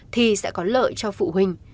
thì sẽ có lợi cho phụ huynh